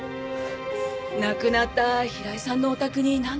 亡くなった平井さんのお宅に何度か。